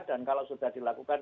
dan kalau sudah dilakukan